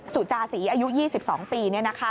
สุจาศีอายุ๒๒ปี